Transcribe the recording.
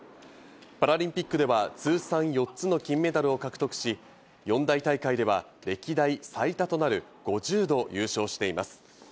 パラリンピックでは通算４つの金メダルを獲得し、四大大会では歴代最多となる５０度、優勝しています。